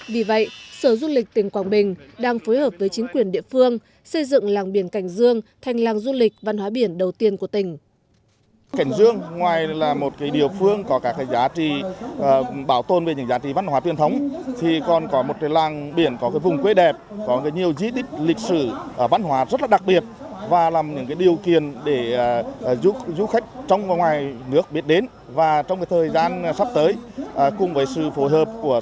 vì vậy sở du lịch tỉnh quảng bình đang phối hợp với chính quyền địa phương xây dựng làng biển cảnh dương thành làng du lịch văn hóa biển đầu tiên của tỉnh